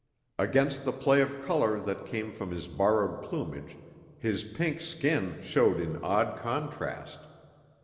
Against the play of color that came from his borrowed plumage his pink skin showed in odd contrast.